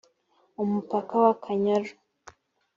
umupaka wa akanyaru